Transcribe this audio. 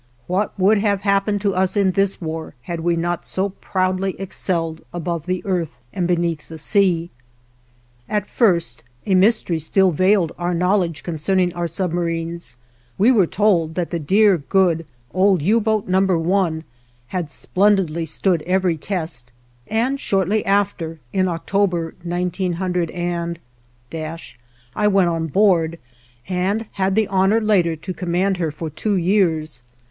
What would have happened to us in this war had we not so proudly excelled above the earth and beneath the sea? At first a mystery still veiled our knowledge concerning our submarines; we were told that the dear, good, old U boat No. 1 had splendidly stood every test, and shortly after, in October, 190 , I went on board, and had the honor later to command her for two years.